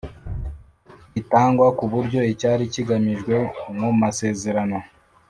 gitangwa ku buryo icyari kigamijwe mu masezerano